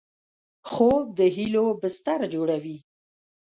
خوب د هیلو بستر جوړوي